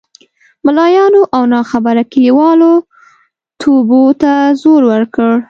ملایانو او ناخبره کلیوالو توبو ته زور ورکړ.